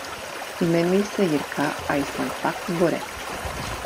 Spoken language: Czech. Jmenuji se Jirka a jsem fakt borec.